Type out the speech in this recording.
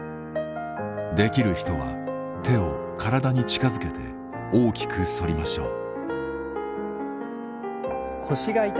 できる人は手を体に近づけて大きく反りましょう。